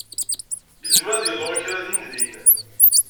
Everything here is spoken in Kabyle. Izmer ad d-yeḍru kra dindin.